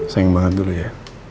sayang banget dulu ya